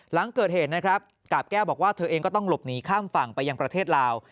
หลังเกิดเหตุนะครับกาบแก้วบอกว่าเธอเองก็ต้องหลบหนีข้ามฝั่งไปยังประเทศลาว